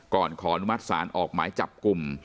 ขออนุมัติศาลออกหมายจับกลุ่ม